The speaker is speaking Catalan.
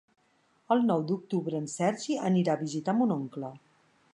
El nou d'octubre en Sergi anirà a visitar mon oncle.